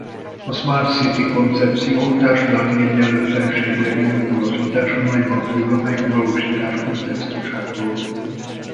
A smart city koncepció társadalmi egyenlőtlenségre gyakorolt hatása nagyban függ a megvalósítás kontextusától.